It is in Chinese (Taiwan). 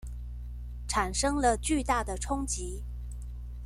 產生了巨大的衝擊